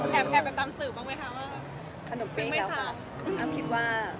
แข็บไปตามสื่อบ้างไหมคะ